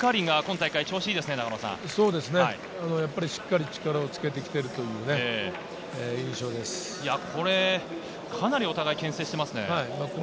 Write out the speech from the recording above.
しっかり力をつけてきているかなりお互いけん制していますね。